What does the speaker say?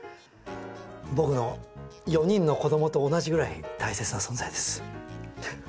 僕の４人の子どもと同じぐらい大切な存在です。